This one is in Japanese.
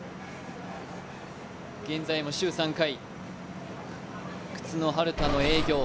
現在も週３回、靴のハルタ営業。